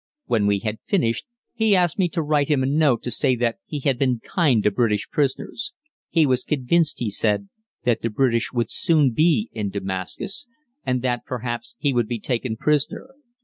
When we had finished, he asked me to write him a note to say that he had been kind to British prisoners. He was convinced, he said, that the British would soon be in Damascus, and that perhaps he would be taken prisoner.